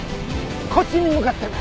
こっちに向かってる。